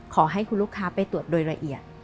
ขอให้คุณลูกค้าไปตรวจโดยละเอียด